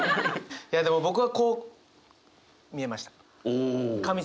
いやでも僕はこう見えました。